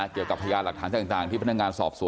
จะสู้ไปหนึ่งตัว